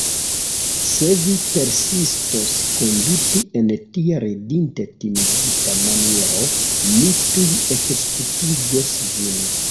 Se vi persistos konduti en tia ridinde timigita maniero, mi tuj ekzekutigos vin.